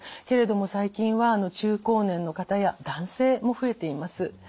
けれども最近は中高年の方や男性も増えています。